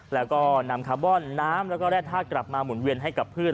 แล้วก็นำคาร์บอนน้ำแล้วก็แร่ธาตุกลับมาหมุนเวียนให้กับพืช